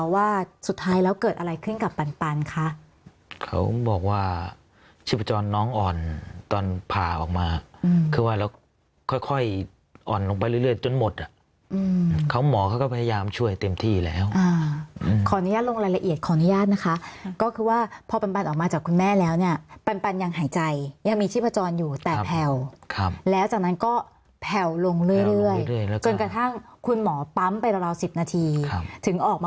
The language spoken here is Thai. ว่าสุดท้ายแล้วเกิดอะไรขึ้นกับปันปันคะเขาบอกว่าชีพจรน้องอ่อนตอนผ่าออกมาคือว่าเราค่อยค่อยอ่อนลงไปเรื่อยจนหมดอ่ะเขาหมอเขาก็พยายามช่วยเต็มที่แล้วขออนุญาตลงรายละเอียดขออนุญาตนะคะก็คือว่าพอปันปันออกมาจากคุณแม่แล้วเนี่ยปันปันยังหายใจยังมีชีพจรอยู่แต่แผ่วแล้วจากนั้นก็แผ่วลงเรื่อยจนกระทั่งคุณหมอปั๊มไปราว๑๐นาทีถึงออกมา